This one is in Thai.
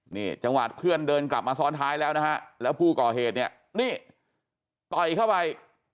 นี่จังหวะเพื่อนเดินกลับมาซ้อนท้ายแล้วนะฮะแล้วผู้ก่อเหตุเนี่ยนี่ต่อยเข้าไป